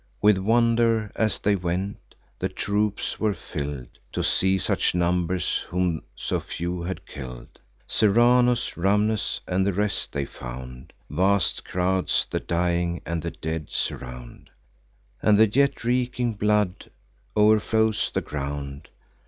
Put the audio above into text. With wonder, as they went, the troops were fill'd, To see such numbers whom so few had kill'd. Serranus, Rhamnes, and the rest, they found: Vast crowds the dying and the dead surround; And the yet reeking blood o'erflows the ground.